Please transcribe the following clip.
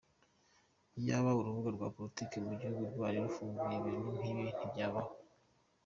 Iyaba urubuga rwa politiki mu gihugu rwari rufunguye, ibintu nk’ibi ntibyabaho.